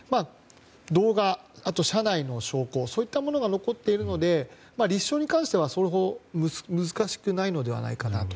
動画、車内の証拠そういったものが残っているので立証に関してはそれほど難しくないのではないかなと。